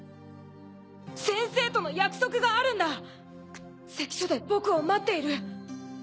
先生との約束があるんだ関所で僕を待っている。